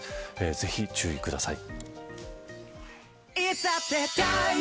ぜひ、ご注意ください。